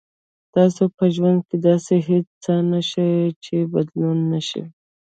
تاسو په ژوند کې داسې هیڅ څه نشته چې بدلون نه شي.